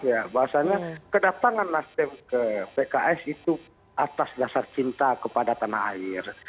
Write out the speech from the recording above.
ya bahasanya kedatangan nasdem ke pks itu atas dasar cinta kepada tanah air